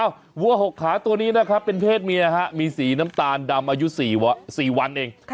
วัว๖ขาตัวนี้นะครับเป็นเพศเมียฮะมีสีน้ำตาลดำอายุ๔วันเอง